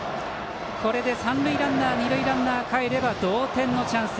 これで三塁ランナー二塁ランナーかえれば同点のチャンス。